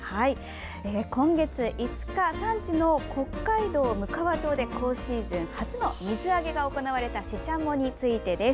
今月５日産地の北海道むかわ町で今シーズン初の水揚げが行われたシシャモについてです。